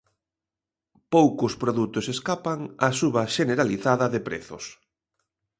Poucos produtos escapan á suba xeneralizada de prezos.